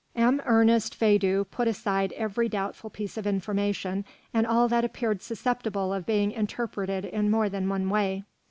M. Ernest Feydeau put aside every doubtful piece of information and all that appeared susceptible of being interpreted in more than one way.